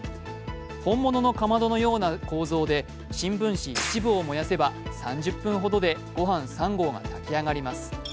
本物のかまどのような構造で新聞紙１部を燃やせば３０分ほどでごはん３号が炊き上がります。